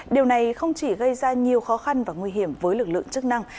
điều này không chỉ gây ra nhiều khó khăn và nguy hiểm với lực lượng chức năng